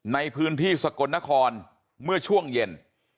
ในพื้นที่สกลนครเมื่อช่วงเย็น